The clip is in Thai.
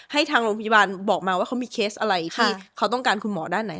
ให้ทางโรงพยาบาลบอกมาว่าเขามีเคสอะไรที่เขาต้องการคุณหมอด้านไหน